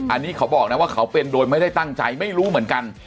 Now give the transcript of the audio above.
อันนี้เขาบอกนะว่าเขาเป็นโดยไม่ได้ตั้งใจไม่รู้เหมือนกัน